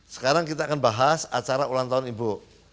sekarang kita akan bahas acara ulang tahun ibu